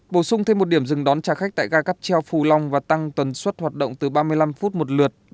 bổ sung thêm một điểm dừng đón trả khách tại ga cắp treo phù long và tăng tuần suất hoạt động từ ba mươi năm phút một lượt